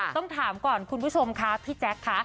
ต้องถามก่อนคุณผู้ชมค่ะพี่แจ๊คค่ะ